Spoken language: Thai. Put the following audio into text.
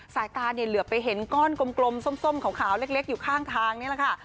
สายตาเนี่ยเหลือไปเห็นก้อนกลมส้มขาวเล็กอยู่ข้างทางนี่แหละค่ะ